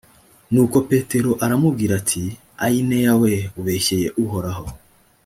nuko petero aramubwira ati ayineya we, ubeshye uhoraho.